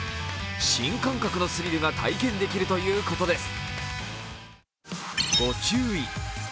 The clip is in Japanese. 新感覚のスリルが体験できるということです。